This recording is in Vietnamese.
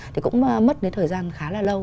thì cũng mất cái thời gian khá là lâu